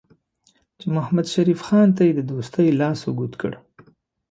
چې محمدشریف خان ته یې د دوستۍ لاس اوږد کړ.